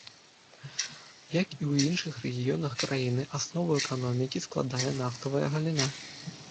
Як і ў іншых рэгіёнах краіны, аснову эканомікі складае нафтавая галіна.